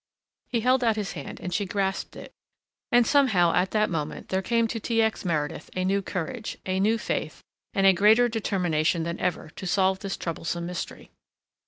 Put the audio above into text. He held out his hand and she grasped it and somehow at that moment there came to T. X. Meredith a new courage, a new faith and a greater determination than ever to solve this troublesome mystery.